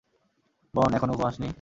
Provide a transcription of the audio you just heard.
বোন, এখনো ঘুমাননি?